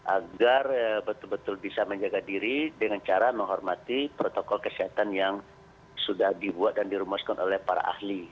agar betul betul bisa menjaga diri dengan cara menghormati protokol kesehatan yang sudah dibuat dan dirumuskan oleh para ahli